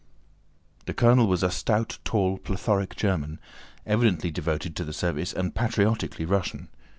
The colonel was a stout, tall, plethoric German, evidently devoted to the service and patriotically Russian.